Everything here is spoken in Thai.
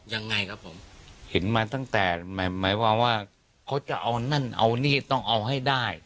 ยังไงครับผมเห็นมาตั้งแต่หมายความว่าเขาจะเอานั่นเอานี่ต้องเอาให้ได้